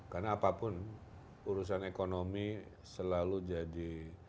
karena apapun urusan ekonomi selalu jadi